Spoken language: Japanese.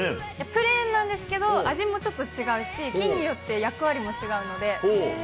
プレーンなんですけど、味もちょっと違うし、菌によって役割も違うので。